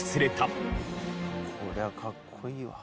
「こりゃかっこいいわ」